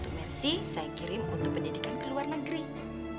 t harus bikin video dah